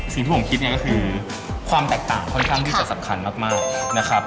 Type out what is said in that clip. สิ่งที่ผมคิดเนี่ยก็คือความแตกต่างค่อนข้างที่จะสำคัญมากนะครับ